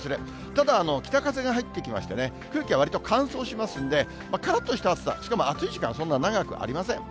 ただ、北風が入ってきましてね、空気はわりと乾燥しますんで、からっとした暑さ、しかも暑い時間、そんな長くありません。